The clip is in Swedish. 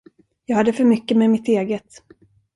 Jag hade för mycket med mitt eget.